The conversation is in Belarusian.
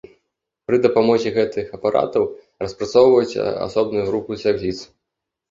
Пры дапамозе гэтых апаратаў распрацоўваюць асобныя групы цягліц.